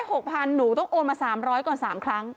ก่อนจะได้๖๐๐๐หนูต้องโอนมา๓๐๐ก่อน๓ครั้ง